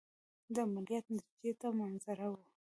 د عملیات نتیجې ته منتظر وو.